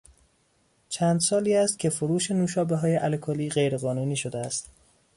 چند سال است که فروش نوشابههای الکلی غیرقانونی شده است.